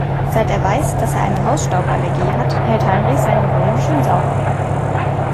Seit er weiß, dass er eine Hausstauballergie hat, hält Heinrich seine Wohnung schön sauber.